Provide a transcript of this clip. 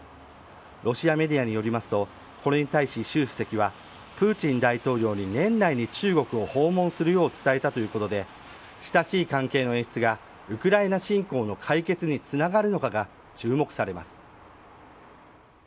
ロシアメディアによりますとこれに対し、習主席はプーチン大統領に年内に中国を訪問するよう伝えたということで親しい関係の演出がウクライナ侵攻の解決につながるのかが、注目されます。